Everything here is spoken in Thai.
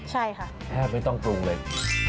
ใช่ค่ะแทบไม่ต้องปรุงเลย